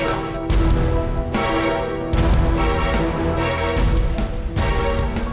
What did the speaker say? dan dianggap sebagai penyakit